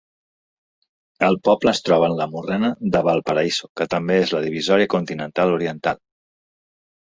El poble es troba en la morrena de Valparaíso, que també és la Divisòria continental oriental.